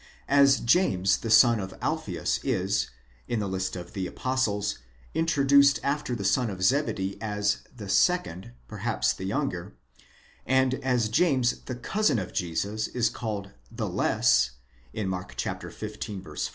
As James the son of Alpheus is, in the list of the apostles, introduced after the son of Zebedee, as the second, perhaps the younger ; and as James the cousin of Jesus is called 6 μικρὸς (" the less") Mark xv.